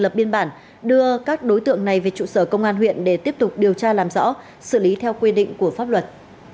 lập biên bản đưa các đối tượng này về trụ sở công an huyện để tiếp tục điều tra làm rõ xử lý theo quy định của pháp luật